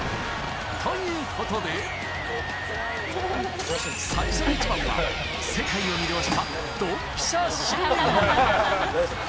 ということで、最初のイチバンは世界を魅了した、ドンピシャシーン。